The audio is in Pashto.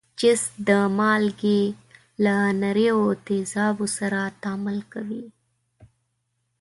جست د مالګې له نریو تیزابو سره تعامل کوي.